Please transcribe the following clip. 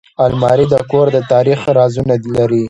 الماري د کور د تاریخ رازونه لري